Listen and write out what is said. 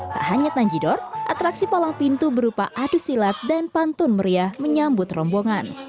tak hanya tanjidor atraksi palang pintu berupa adu silat dan pantun meriah menyambut rombongan